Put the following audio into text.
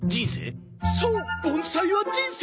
そう盆栽は人生！